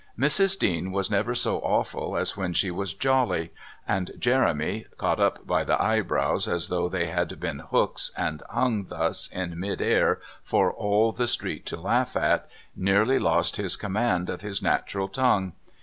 Mrs. Dean was never so awful as when she was jolly, and Jeremy, caught up by the eyebrows as though they had been hooks and hung thus in mid air for all the street to laugh at, nearly lost his command of his natural tongue.